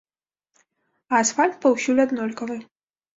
А асфальт паўсюль аднолькавы.